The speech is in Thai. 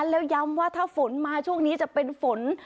แล้วย้ำว่าถ้าฝนมาช่วงนี้จะเป็นฝน